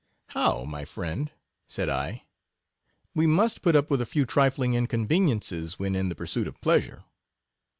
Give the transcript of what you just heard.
How, my friend? said I; w r e must put up with a few trifling inconveniences, when in the pursuit of pleasure.